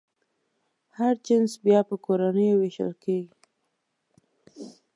هر جنس بیا په کورنیو وېشل کېږي.